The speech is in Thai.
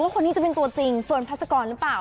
คนนี้จะเป็นตัวจริงเฟิร์นพัศกรหรือเปล่า